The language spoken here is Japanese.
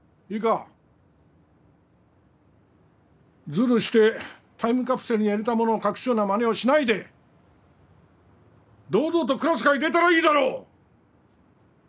ずるしてタイムカプセルに入れたものを隠すようなまねをしないで堂々とクラス会出たらいいだろう！